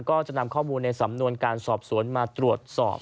ก็จะนำข้อมูลในสำนวนการสอบสวนมาตรวจสอบ